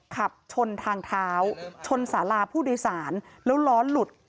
ขับชนทางเท้าชนสาราผู้โดยสารแล้วล้อหลุด